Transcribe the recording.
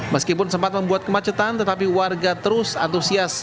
meskipun sempat membuat kemacetan tetapi warga terus antusias